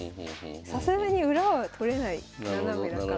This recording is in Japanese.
さすがに裏は取れないナナメだから。